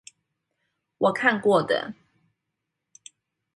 我看過的